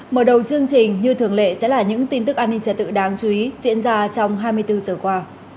mở đầu chương trình như thường lệ sẽ là những tin tức an ninh trật tự đáng chú ý diễn ra trong hai mươi bốn giờ qua